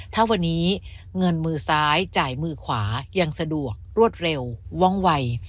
ถ้าวันนี้เงินมือซ้ายจ่ายมือขวายังสะดวกรวดเร็วว่องวัย